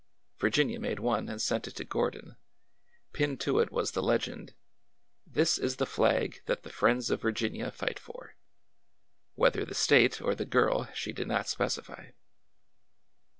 Virginia made one and sent it to Gordon. Pinned to it was the Jegend : This is the flag that the friends of Virginia fight for." Whether the State or the girl she did not specify.